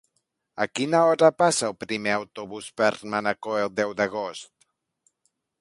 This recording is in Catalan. A quina hora passa el primer autobús per Manacor el deu d'agost?